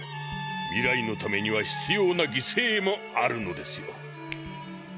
未来のためには必要な犠牲もあるのですよ。